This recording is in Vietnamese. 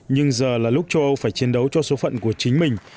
nhưng giờ là lúc châu âu phải chiến đấu cho số phận của chính mình